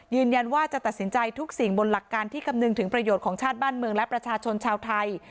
ยืนยันว่าจะตัดสินใจทุกสิ่งบนหลักการที่คำนึงถึงประโยชน์ของชาติบ้านเมืองและประชาชนชาวไทย